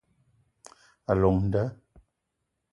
A llong nda